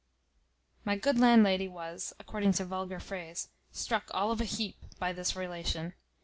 My good landlady was (according to vulgar phrase) struck all of a heap by this relation.